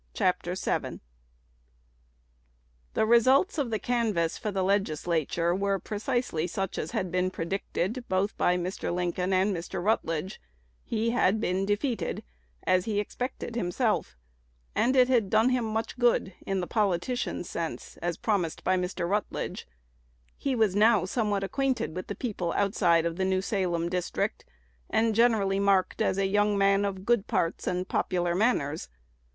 CHAPTER VII THE results of the canvass for the Legislature were precisely such as had been predicted, both by Mr. Lincoln and Mr. Rutledge: he had been defeated, as he expected himself; and it had done "him much good," in the politician's sense, as promised by Mr. Rutledge. He was now somewhat acquainted with the people outside of the New Salem district, and generally marked as a young man of good parts and popular manners.